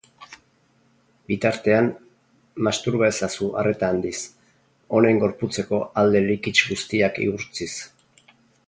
Bitartean, masturba ezazu arreta handiz, honen gorputzeko alde likits guztiak igurtziz.